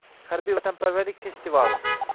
Harbiy-vatanparvarlik festivali